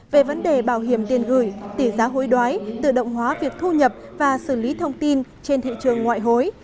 về vấn đề bảo hiểm tiền gửi tỷ giá hối đoái tự động hóa việc thu nhập và xử lý thông tin trên thị trường ngoại hối